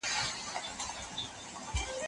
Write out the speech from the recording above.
ایا برېښنا د خلکو ژوند بدلوي؟